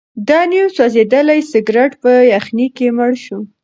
دا نیم سوځېدلی سګرټ په یخنۍ کې مړ شو.